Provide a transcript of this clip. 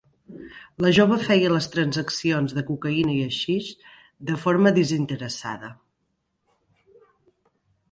La jove feia les transaccions de cocaïna i haixix de forma desinteressada.